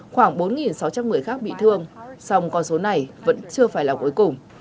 khoảng bốn sáu trăm linh người khác bị thương song con số này vẫn chưa phải là cuối cùng